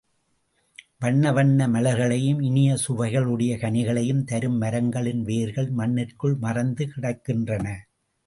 வண்ண வண்ண மலர்களையும் இனிய சுவையுடைய கனிகளையும் தரும் மரங்களின் வேர்கள் மண்ணிற்குள் மறைந்து கிடக்கின்றன.